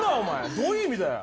どういう意味だよ。